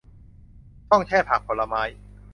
ช่องแช่ผักผลไม้